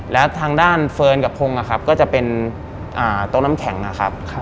และทางด้านเฟิร์นกับพงก็จะเป็นโต๊ะน้ำแข็งนะครับ